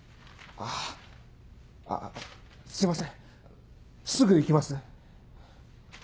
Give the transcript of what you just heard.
あぁすいませんすぐ行きます。